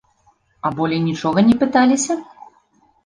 А болей нічога не пыталіся?